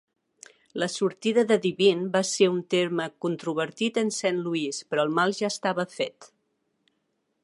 La sortida de Devine va ser un tema controvertit en Saint Louis, però el mal ja estava fet.